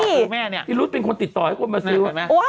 อีรุ๊ดเป็นคนติดต่อให้คนมาซื้อ